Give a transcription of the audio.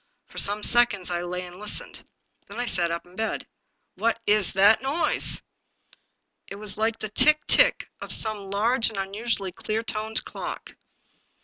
For some seconds I lay and listened. Then I sat up in bed. "What w that noise?" It was like the tick, tick of some large and unusually clear toned clock.